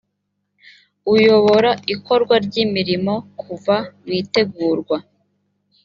uyobora ikorwa ry imirimo kuva mu itegurwa